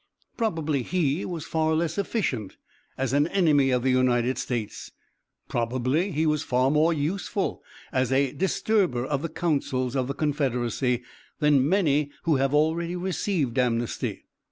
Probably he was far less efficient as an enemy of the United States: probably he was far more useful as a disturber of the councils of the Confederacy than many who have already received amnesty.